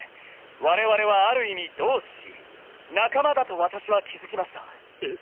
我々はある意味同志仲間だと私は気づきましたえっ？